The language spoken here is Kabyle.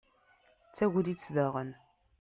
d tagnit daɣen